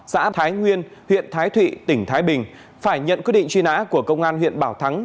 xã thái nguyên huyện thái thụy tỉnh thái bình phải nhận quyết định truy nã của công an huyện bảo thắng